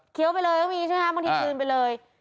เคี้ยวไปเลยก็มีใช่ไหมครับบางทีคืนไปเลย